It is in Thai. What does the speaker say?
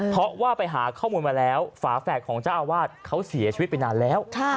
เพราะว่าไปหาข้อมูลมาแล้วฝาแฝดของเจ้าอาวาสเขาเสียชีวิตไปนานแล้ว